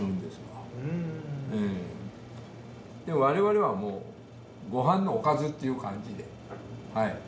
我々はもうご飯のおかずっていう感じで。